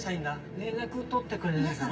連絡取ってくれないかな？